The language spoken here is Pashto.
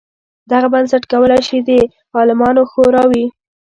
دغه بنسټ کولای شي د عالمانو شورا وي.